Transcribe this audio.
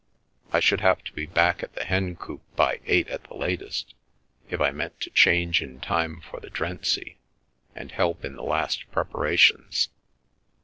I should have to be back at the Hencoop by eight at the latest, if I meant to change in time for the drency and help in the last preparations.